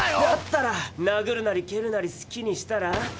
だったらなぐるなりけるなり好きにしたら。